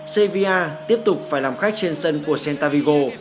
cvia tiếp tục phải làm khách trên sân của centavigo